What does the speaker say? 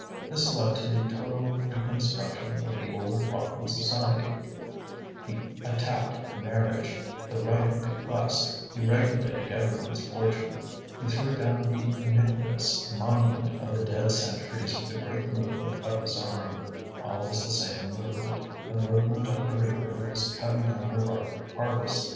This led to the total reconstruction of the old rotten society; he attacked marriage, the right of bequest, he regulated every one's fortune, he threw down the iniquitous monument of the dead centuries with a great movement of his arm, always the same movement, the movement of the reaper who is cutting down a ripe harvest.